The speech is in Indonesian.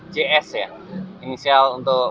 js ya inisial untuk